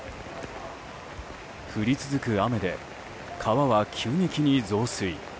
降り続く雨で川は急激に増水。